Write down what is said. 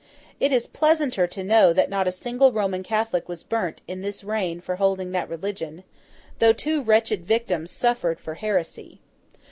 It is pleasanter to know that not a single Roman Catholic was burnt in this reign for holding that religion; though two wretched victims suffered for heresy.